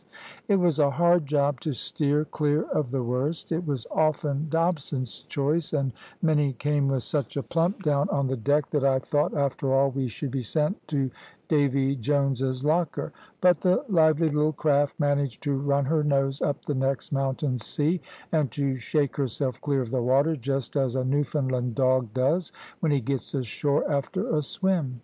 It was a hard job to steer clear of the worst; it was often Dobson's choice, and many came with such a plump down on the deck that I thought after all we should be sent to Davy Jones's locker; but the lively little craft managed to run her nose up the next mountain sea, and to shake herself clear of the water, just as a Newfoundland dog does when he gets ashore after a swim.